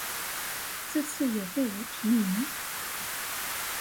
這次有被我提名